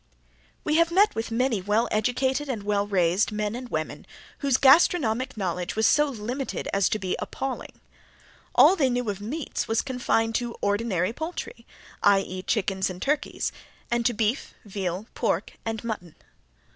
We have met with many well educated and well raised men and women whose gastronomic knowledge was so limited as to be appalling. All they knew of meats was confined to ordinary poultry, i. e., chickens and turkeys, and to beef, veal, pork, and mutton.